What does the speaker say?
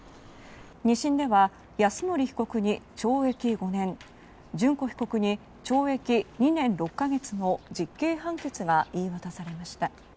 ２審では、泰典被告に懲役５年諄子被告に懲役２年６か月の実刑判決が言い渡されました。